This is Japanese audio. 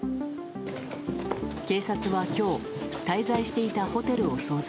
警察は今日滞在していたホテルを捜索。